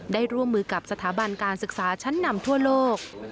ร่วมมือกับสถาบันการศึกษาชั้นนำทั่วโลก